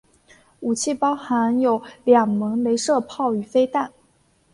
武器包含有两门雷射炮与飞弹。